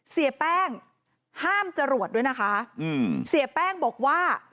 เสียแป้งห้ามจรวดด้วยนะคะอืมเสียแป้งบอกว่า